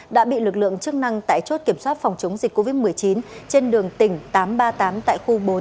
đã bị lực lượng chức năng tại chốt kiểm soát phòng chống dịch covid một mươi chín trên đường tỉnh tám trăm ba mươi tám tại khu bốn